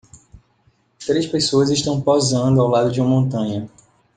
Três pessoas estão posando ao lado de uma montanha.